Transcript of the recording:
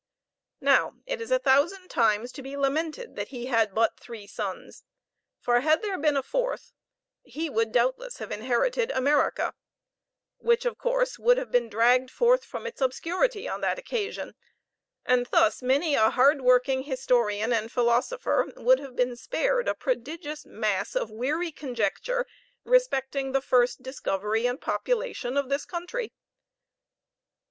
Now it is a thousand times to be lamented that he had but three sons, for had there been a fourth he would doubtless have inherited America, which, of course, would have been dragged forth from its obscurity on the occasion; and thus many a hard working historian and philosopher would have been spared a prodigious mass of weary conjecture respecting the first discovery and population of this country.